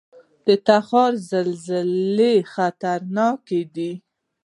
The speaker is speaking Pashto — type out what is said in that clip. د تخار زلزلې خطرناکې دي